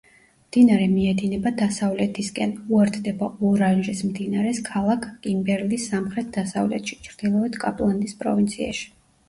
მდინარე მიედინება დასავლეთისკენ, უერთდება ორანჟის მდინარეს ქალაქ კიმბერლის სამხრეთ-დასავლეთში, ჩრდილოეთ კაპლანდის პროვინციაში.